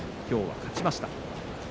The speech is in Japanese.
きょうは勝ちました。